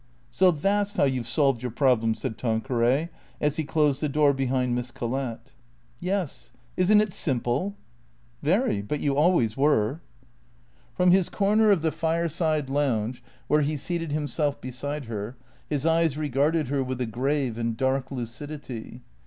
" So that 's how you 've solved your problem ?" said Tanque ray, as he closed the door behind Miss Collett. " Yes. Is n't it simple ?"" Very. But you always were." From his corner of the fireside lounge, where he seated him self beside her, his eyes regarded her with a grave and dark lucidity.